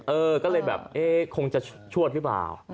เออก็เลยแบบเอ๊ะคงจะชวดหรือเปล่า